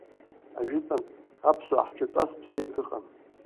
Ажәытәан, аԥсуаа ҳҿы ҵас бзиак ыҟан.